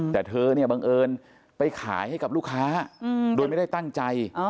แต่เธอเนี่ยบังเอิญไปขายให้กับลูกค้าโดยไม่ได้ตั้งใจ